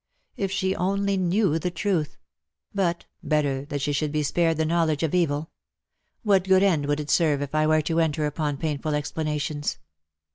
If she only knew the truth — but, better that she should be spared the knowledge of evil. What good end would it serve if I were to enter upon painful explanations